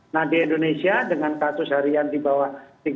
nah di indonesia dengan kasus harian di bawah tiga puluh